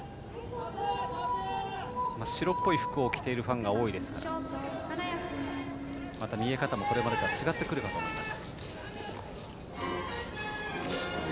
白っぽい服を着ているファンが多いですからまた見え方もこれまでとは違ってくるかと思います。